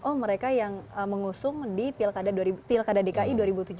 oh mereka yang mengusung di pilkada dki dua ribu tujuh belas